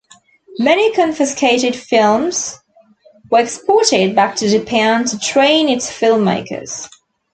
Many confiscated films were exported back to Japan to train its filmmakers.